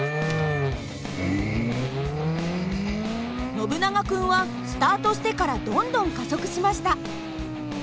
ノブナガ君はスタートしてからどんどん加速しました。